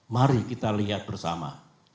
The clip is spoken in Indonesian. mari kita lihat bersama